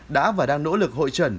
đã và đang nỗ lực hội trợ các bệnh nhân